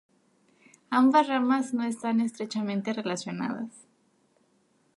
Ambas ramas no están estrechamente relacionadas.